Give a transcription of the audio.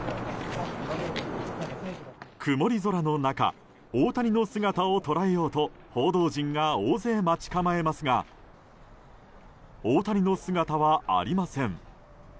曇り空の中大谷の姿を捉えようと報道陣が大勢待ち構えますが大谷の姿はありません。